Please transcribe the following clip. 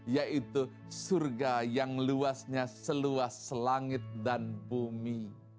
yaitu surga yang luasnya seluas langit dan bumi